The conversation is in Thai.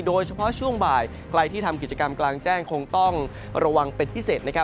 ช่วงบ่ายใครที่ทำกิจกรรมกลางแจ้งคงต้องระวังเป็นพิเศษ